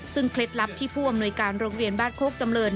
ซึ่งเคล็ดลับที่ผู้อำนวยการโรงเรียนบ้านโคกจำเริน